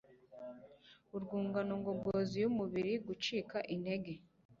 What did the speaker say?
urwungano ngogozi yumubiri gucika intege